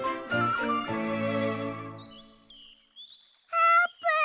あーぷん！